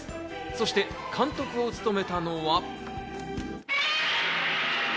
そして監督を務めたのは。